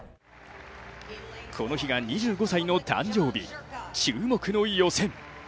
この日が２５歳の誕生日、注目の予選。